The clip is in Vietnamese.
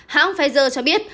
hãng pfizer cho biết